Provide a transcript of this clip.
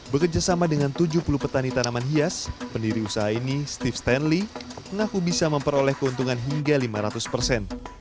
bekerjasama dengan tujuh puluh petani tanaman hias pendiri usaha ini steve stanley mengaku bisa memperoleh keuntungan hingga lima ratus persen